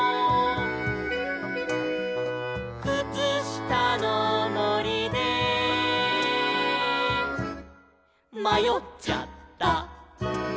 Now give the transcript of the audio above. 「くつしたのもりでまよっちゃった」